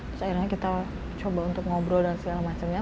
terus akhirnya kita coba untuk ngobrol dan segala macamnya